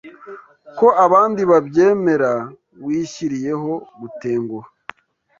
ko abandi babyemera wishyiriyeho gutenguha